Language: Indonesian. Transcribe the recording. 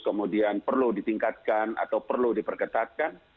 kemudian perlu ditingkatkan atau perlu diperketatkan